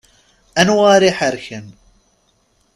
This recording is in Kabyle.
Anwa ara iḥerken.